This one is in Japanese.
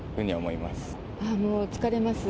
いやもう、疲れます。